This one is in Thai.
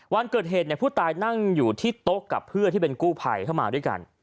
วันเกิดเหตุผู้ตายนั่งอยู่ที่โต๊ะกับเพื่อนที่เป็นกู้ภัยเข้ามาด้วยกัน